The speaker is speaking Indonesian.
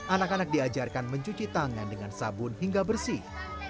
anak anak diajarkan mencuci tangan dengan sabun hingga bersih